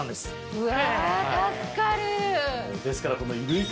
うわ！